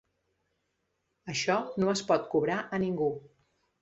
Això no es pot cobrar a ningú.